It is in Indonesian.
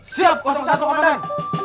siap satu komandan